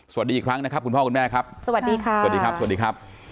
สวัสดีอีกครั้งนะครับคุณพ่อคุณแม่ครับสวัสดีค่ะสวัสดีครับสวัสดีครับ